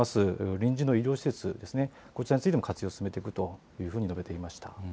臨時の医療施設ですね、こちらについても、活用を進めていくというふうに述べていました。